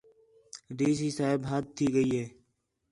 ڈی سی صاحب حد تھی ڳئی ہے